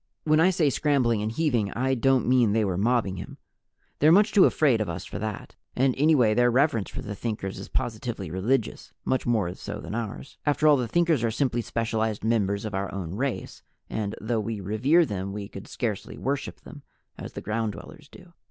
When I say scrambling and heaving, I don't mean they were mobbing him. They're much too afraid of us for that, and anyway their reverence for the Thinkers is positively religious much more so than ours. After all the Thinkers are simply specialized members of our own race, and though we revere them we could scarcely worship them, as the Ground Dwellers do.